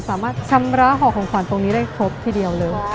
สามารถชำระห่อของขวัญตรงนี้ได้ครบทีเดียวเลย